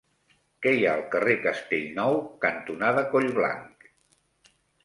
Què hi ha al carrer Castellnou cantonada Collblanc?